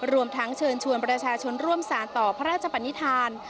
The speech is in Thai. รวมทั้งเชิญชวนประชาชนร่วมสารต่อพระราชปนิษฐาน